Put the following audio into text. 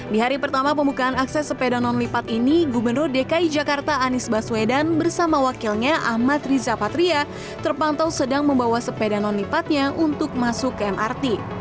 di hari pertama pembukaan akses sepeda non lipat ini gubernur dki jakarta anies baswedan bersama wakilnya ahmad riza patria terpantau sedang membawa sepeda non lipatnya untuk masuk ke mrt